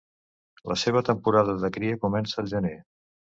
La seva temporada de cria comença al gener.